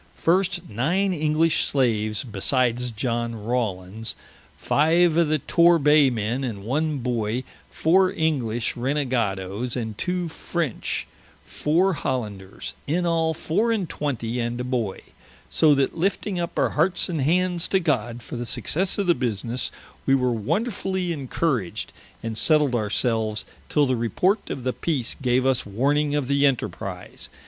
First, nine English slaves, besides Iohn Rawlins: five of the Tor Bay men, and one boy, foure English Renegadoes, and two French, foure Hollanders: in all four and twenty and a boy: so that lifting up our hearts and hands to God for the successe of the businesse, we were wonderfully incouraged; and setled our selves, till the report of the peece gave us warning of the enterprise.